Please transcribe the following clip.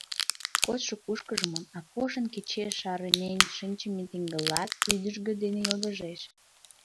Кодшо кушкыжмын Акошын кечеш шыранен шинчыме теҥгылат вӱдыжгӧ дене йылгыжеш.